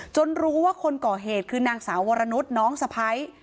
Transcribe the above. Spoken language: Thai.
รู้ว่าคนก่อเหตุคือนางสาววรนุษย์น้องสะพ้าย